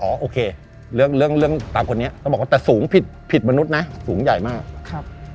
โอเคเรื่องเรื่องตาคนนี้ต้องบอกว่าแต่สูงผิดผิดมนุษย์นะสูงใหญ่มากครับ